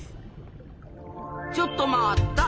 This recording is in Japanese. ちょっと待った！